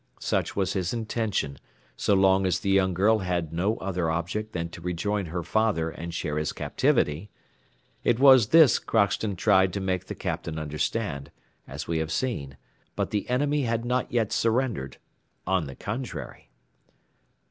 Such was his intention, so long as the young girl had no other object than to rejoin her father and share his captivity. It was this Crockston tried to make the Captain understand, as we have seen, but the enemy had not yet surrendered; on the contrary.